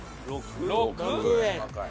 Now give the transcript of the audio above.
６円。